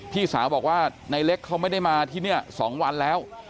พี่สาวบอกว่าในเล็กเขาไม่ได้มาที่นี่๒วันแล้ว